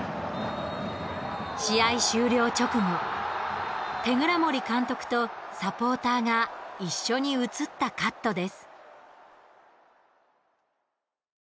試合終了直後手倉森監督とサポーターが一緒に映ったカットです。